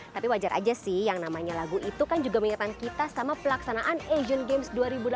tapi wajar aja sih yang namanya lagu itu kan juga mengingatkan kita sama pelaksanaan asian games dua ribu delapan belas